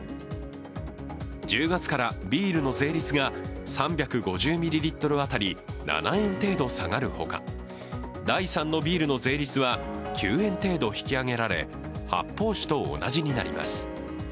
１０月からビールの税率が３５０ミリリットル当たり７円程度下がるほか第３のビールの税率は９円程度引き上げられ、発泡酒と同じになります